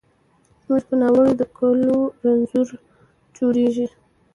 زموږ په ناړو د کلو رنځور جوړیږي